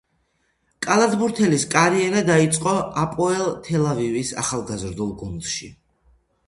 კალათბურთელის კარიერა დაიწყო აპოელ თელ-ავივის ახალგაზრდულ გუნდში.